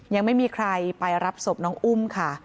ยังไม่มีใครไปรับศพน้องอุ้มค่ะ